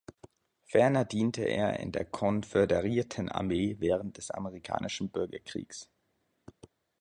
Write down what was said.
Ferner diente er in der Konföderiertenarmee während des Amerikanischen Bürgerkriegs.